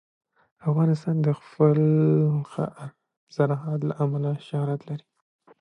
افغانستان د خپل ښه زراعت له امله شهرت لري.